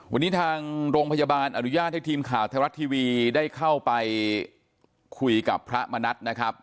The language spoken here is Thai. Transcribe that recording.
วันนี้ทางโรงพยาบาลอนุญาตให้ทีมข่าวไทยรัฐทีวีได้เข้าไปคุยกับพระมณัฐนะครับ